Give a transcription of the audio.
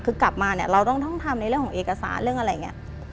คือกลับมาเนี่ยเราต้องทำในเรื่องของเอกสารเรื่องอะไรอย่างนี้